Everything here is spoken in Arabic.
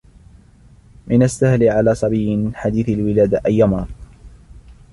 من السهل على صبي حديث الولادة أن يمرض.